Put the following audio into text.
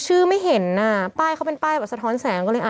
เห็นไหม